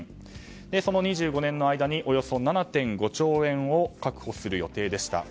その２５年の間におよそ７．５兆円を確保する予定でした。